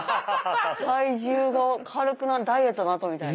体重がダイエットのあとみたいな。